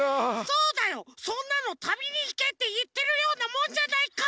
そんなの「旅にいけ」っていってるようなもんじゃないか！